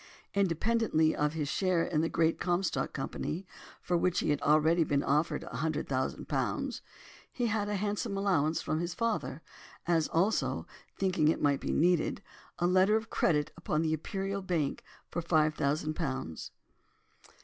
Independently of his share in the Great Comstock Company, for which he had already been offered a hundred thousand pounds—he had a handsome allowance from his father—as also, thinking it might be needed, a letter of credit upon the Imperial Bank for five thousand pounds.